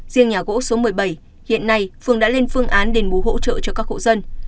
riêng nhà gỗ số một mươi bảy hiện nay phường đã lên phương án đền bù hỗ trợ cho các hộ dân